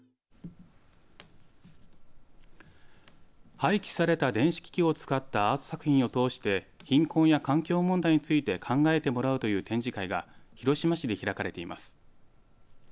廃棄された電子機器を使ったアート作品を通して貧困や環境問題について考えてもらおうという展示会が広島市で開かれています。